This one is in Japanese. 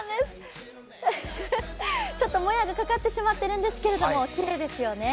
ちょっともやがかかってしまっているんですけど、きれいですよね。